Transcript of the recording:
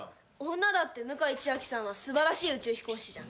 女だって向井千秋さんは素晴らしい宇宙飛行士じゃん。